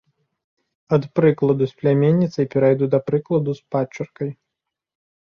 Ад прыкладу з пляменніцай перайду да прыкладу з падчаркай.